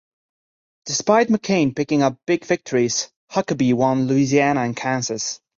Despite McCain picking up big victories, Huckabee won Louisiana and Kansas.